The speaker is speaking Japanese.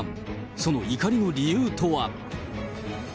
その怒りの理由とは。